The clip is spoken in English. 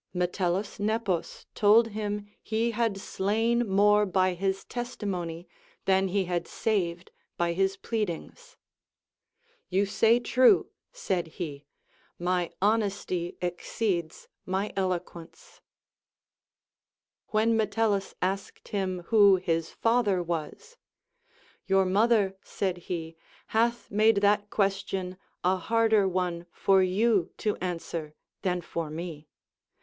Metellus Nepos told him he had slain more by his testimony than he had saved by his pleadings. You say true, said he, my honesty exceeds my eloquence. AVhen Metellus asked him who his father was, Your mother, said he, hath made that question a harder one for you to answer AND GREAT COMMANDERS. 245 than for me.